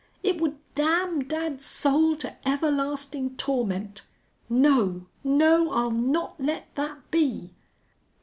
_ It would damn dad's soul to everlasting torment. No! No! I'll not let that be!"